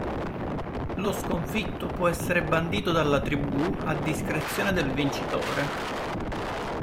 Lo sconfitto può essere bandito dalla tribù, a discrezione del vincitore.